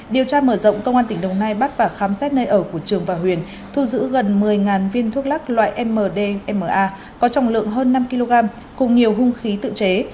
điều tra mở rộng công an tỉnh đồng nai bắt và khám xét nơi ở của trường và huyền thu giữ gần một mươi viên thuốc lắc loại mdma có trọng lượng hơn năm kg cùng nhiều hung khí tự chế